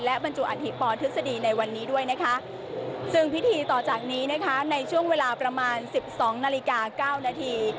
และบรรจุอาธิปทศดีย์ในวันนี้ด้วยซึ่งพิธีต่อจากนี้ในช่วงเวลาประมาณ๑๒นาฬิกา๙นาที